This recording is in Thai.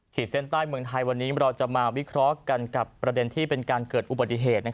เส้นใต้เมืองไทยวันนี้เราจะมาวิเคราะห์กันกับประเด็นที่เป็นการเกิดอุบัติเหตุ